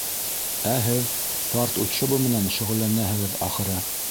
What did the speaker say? — Ә, һеҙ партучеба менән шөғөлләнәһегеҙ, ахыры.